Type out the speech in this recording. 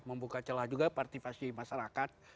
membuka celah juga partisipasi masyarakat